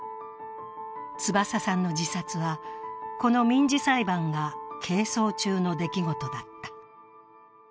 翼さんの自殺は、この民事裁判が係争中の出来事だった。